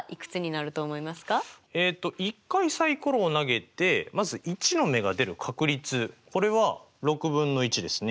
えっと１回サイコロを投げてまず１の目が出る確率これは６分の１ですね。